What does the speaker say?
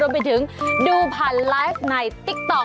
ไปดูผ่านไลฟ์ในติ๊กต๊อก